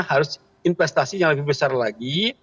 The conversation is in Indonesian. harus investasi yang lebih besar lagi